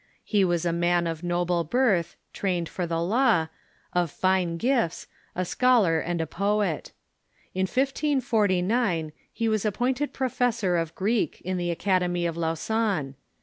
He was a man of noble birth, trained for the law, of fine gifts, a scholar and a poet. In 1549 he was a^jpointed professor of Greek in the Academy of Lausanne.